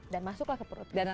dan masuklah ke perut